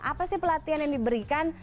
apa sih pelatihan yang diberikan